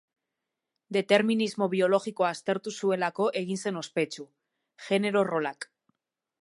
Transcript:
Determinismo biologikoa aztertu zuelako egin zen ospetsu: genero-rolak.